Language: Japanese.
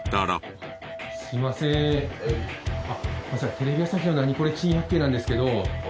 テレビ朝日の『ナニコレ珍百景』なんですけど。